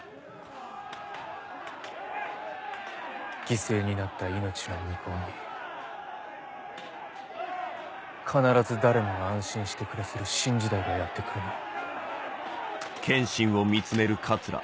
犠牲になった命の向こうに必ず誰もが安心して暮らせる新時代がやって来るなら。